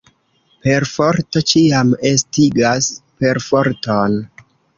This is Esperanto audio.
Perforto ĉiam estigas perforton.